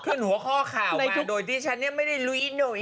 ขึ้นหัวข้อข่าวมาโดยที่ฉันนี่ไม่ได้ลุยหน่อย